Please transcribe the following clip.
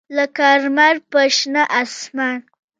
لکه لمر په شنه اسمان